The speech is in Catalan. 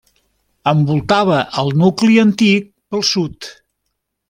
Envoltava el nucli antic pel sud.